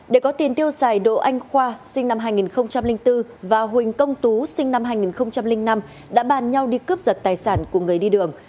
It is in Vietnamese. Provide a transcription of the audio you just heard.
để có tiền tiêu xài đỗ anh khoa sinh năm hai nghìn bốn và huỳnh công tú sinh năm hai nghìn năm đã bàn nhau đi cướp giật tài sản của người đi đường